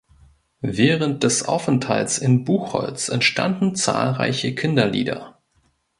Während des Aufenthalts in Buchholz entstanden zahlreiche Kinderlieder.